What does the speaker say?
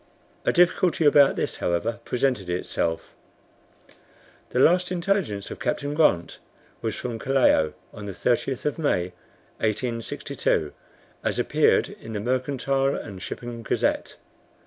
A difficulty about this, however, presented itself. The last intelligence of Captain Grant was from Callao on the 30th of May, 1862, as appeared in the Mercantile and Shipping Gazette.